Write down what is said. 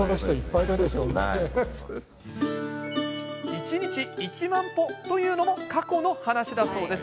１日１万歩というのも過去の話だそうです。